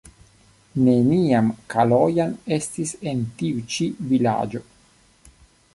Neniam Kalojan estis en tiu ĉi vilaĝo.